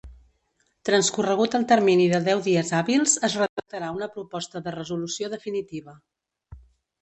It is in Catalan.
Transcorregut el termini de deu dies hàbils, es redactarà una proposta de resolució definitiva.